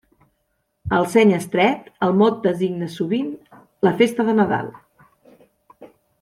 Al seny estret, el mot designa sovint la festa de Nadal.